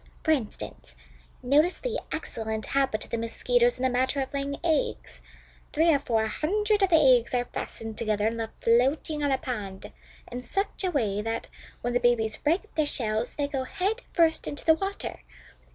For instance, notice the excellent habit of the Mosquitoes in the matter of laying eggs. Three or four hundred of the eggs are fastened together and left floating on a pond in such a way that, when the babies break their shells, they go head first into the water.